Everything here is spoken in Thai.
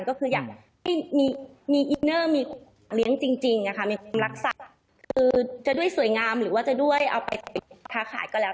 ก็คืออยากมีอินเนอร์มีความรักษาจะด้วยสวยงามหรือจะด้วยเอาไปขายก็แล้ว